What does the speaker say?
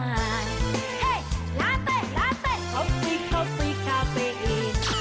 เฮ้ยลาเต้ลาเต้คอฟฟรีคอฟฟรีคาเฟ่